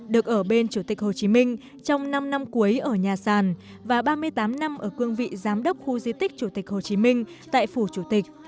được ở bên chủ tịch hồ chí minh trong năm năm cuối ở nhà sàn và ba mươi tám năm ở cương vị giám đốc khu di tích chủ tịch hồ chí minh tại phủ chủ tịch